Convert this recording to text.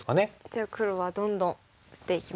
じゃあ黒はどんどん打っていきます。